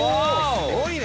すごいね！